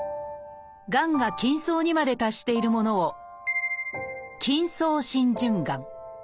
がんが筋層にまで達しているものを「筋層浸潤がん」。